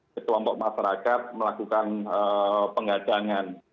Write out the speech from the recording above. ketua kepup masyarakat melakukan pengadangan